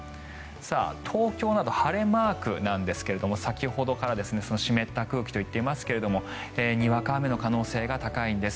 東京など晴れマークなんですが先ほどから湿った空気と言っていますがにわか雨の可能性が高いんです。